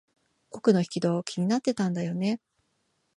奥の引き戸、気になってたんだよね。